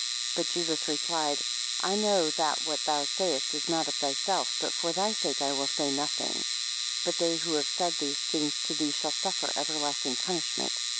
14 But Jesus replied, I know that what thou sayest is not of thyself, but for thy sake I will say nothing; 15 But they who have said these things to thee, shall suffer everlasting punishment.